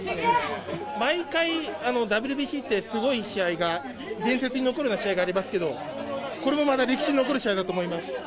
毎回、ＷＢＣってすごい試合が、伝説に残るような試合がありますけど、これもまた歴史に残る試合だと思います。